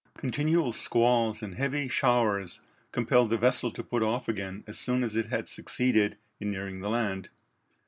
Continual squalls and heavy showers compelled the vessel to put off again as soon as it had succeeded in nearing the land.